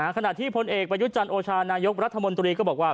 ขณะที่พลเอกประยุจันทร์โอชานายกรัฐมนตรีก็บอกว่า